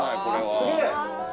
すげえ！